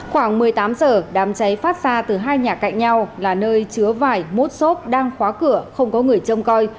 khoảng một mươi tám giờ đám cháy phát ra từ hai nhà cạnh nhau là nơi chứa vải mút xốp đang khóa cửa không có người trông coi